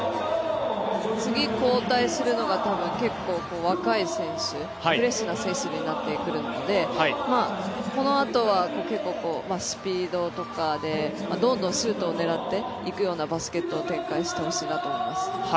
次交代するのが結構若い選手、フレッシュな選手になってくるので、このあとは結構、スピードとかでどんどんシュートを狙っていくようなバスケットを展開してほしいなと思います。